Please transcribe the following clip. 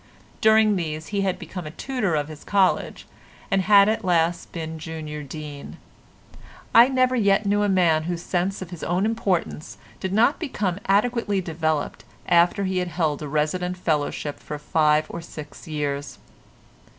During these he had become a tutor of his college, and had at last been Junior Dean. I never yet knew a man whose sense of his own importance did not become adequately developed after he had held a resident fellowship for five or six years.